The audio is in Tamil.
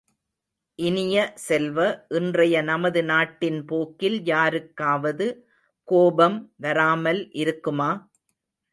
இனிய செல்வ, இன்றைய நமது நாட்டின் போக்கில் யாருக்காவது கோபம் வராமல் இருக்குமா?